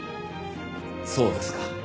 そうですか。